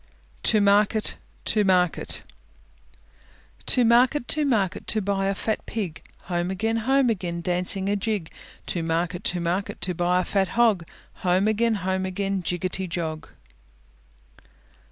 TO MARKET, TO MARKET To market, to market, to buy a fat Pig; Home again, home again, dancing a jig. To market, to market, to buy a fat Hog; Home again, home again, jiggety jog.